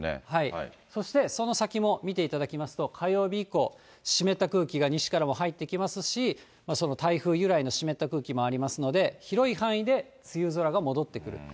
そしてその先も見ていただきますと、火曜日以降、湿った空気が西から入ってきますし、その台風由来の湿った空気もありますので、広い範囲で梅雨空が戻ってくると。